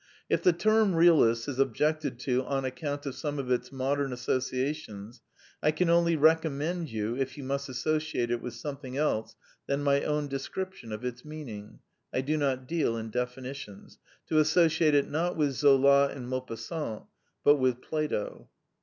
If the term realist is objected to on ac count of some of its modern associations, I can only recommend you, if you must associate it with something else than my own description of its meaning (I do not deal in definitions), to asso ciate it, not with Zola and Maupassant, but with Plato.